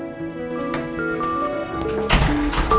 jadi kita harus bekerja semula